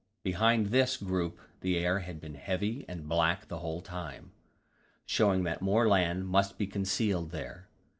Behind this group the air had been heavy and black the whole time, showing that more land must be concealed there.